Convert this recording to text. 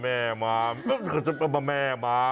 แม่มาแม่มาแม่มาแม่มา